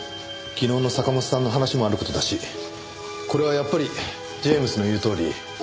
昨日の坂本さんの話もある事だしこれはやっぱりジェームズの言うとおり。